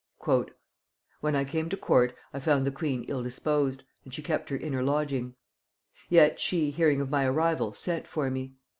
"When I came to court I found the queen ill disposed, and she kept her inner lodging; yet she, hearing of my arrival, sent for me.